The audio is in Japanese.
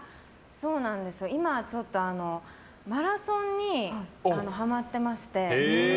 今はちょっとマラソンにハマってまして。